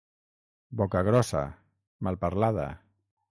Boca grossa, malparlada.